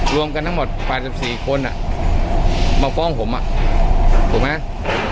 รวมกันทั้งหมดปลายจับสี่คนอ่ะมาฟ้องผมอ่ะถูกไหม